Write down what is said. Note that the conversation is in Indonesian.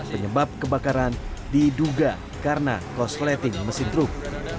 penyebab kebakaran diduga karena kosleting mesin truk